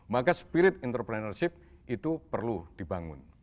maka spirit entrepreneurship itu perlu dibangun